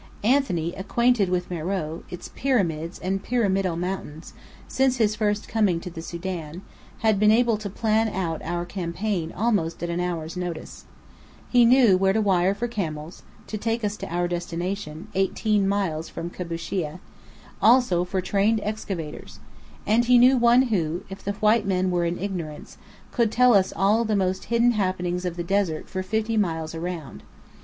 Anthony, acquainted with Meröe, its pyramids and pyramidal mountains, since his first coming to the Sudan, had been able to plan out our campaign almost at an hour's notice. He knew where to wire for camels [to take us to our destination, eighteen miles from Kabushîa], also for trained excavators. And he knew one who, if the white men were in ignorance, could tell us all the most hidden happenings of the desert for fifty miles around.